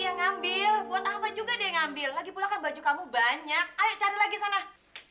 yaudahnya tanganku belpotan kayak begini deh